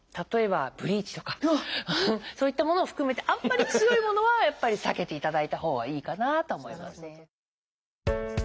そういったものを含めてあんまり強いものはやっぱり避けていただいたほうがいいかなとは思いますね。